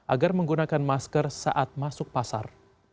agar menggunakan masker saat masuk pasar